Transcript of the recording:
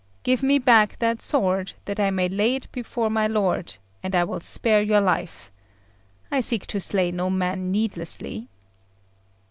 Give me back that sword, that I may lay it before my lord, and I will spare your life. I seek to slay no man needlessly."